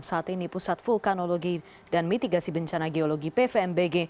saat ini pusat vulkanologi dan mitigasi bencana geologi pvmbg